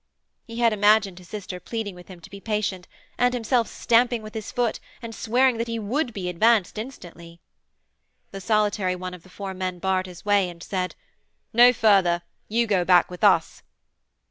"' He had imagined his sister pleading with him to be patient, and himself stamping with his foot and swearing that he would be advanced instantly. The solitary one of the four men barred his way, and said: 'No further! You go back with us!'